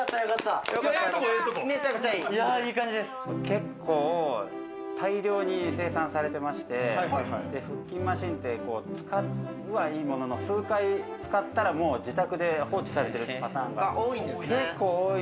結構大量に生産されてまして、腹筋マシンって、使うはいいものの、数回使ったら、もう自宅で放置されているパターンが多いんですね。